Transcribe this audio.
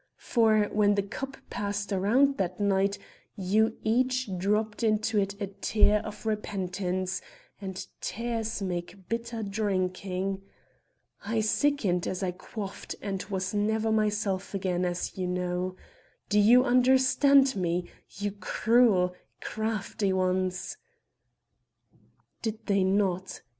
For, when the cup passed round that night, you each dropped into it a tear of repentance, and tears make bitter drinking. I sickened as I quaffed and was never myself again, as you know. Do you understand me, you cruel, crafty ones?" Did they not!